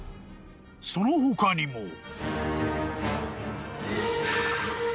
［その他にも］